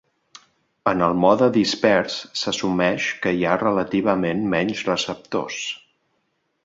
En el mode dispers s'assumeix que hi ha relativament menys receptors.